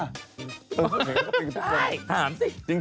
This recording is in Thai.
เขาเป็นเพื่อนกับทุกคนนะถามสิใช่ถามสิ